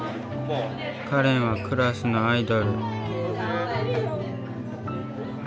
かれんはクラスのアイドル。